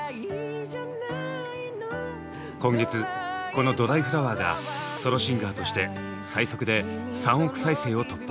今月この「ドライフラワー」がソロシンガーとして最速で３億再生を突破。